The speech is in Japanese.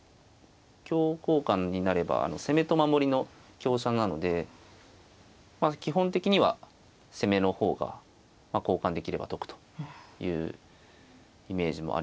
香交換になれば攻めと守りの香車なので基本的には攻めの方が交換できれば得というイメージもありますし